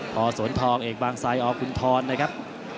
พศทองเอกบางไซค์อคุณธรนะครับ